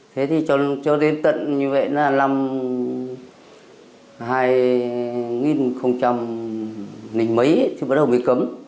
thế thì cho đến tận như vậy là năm hai nghìn không trầm nền mấy thì bắt đầu mới cấm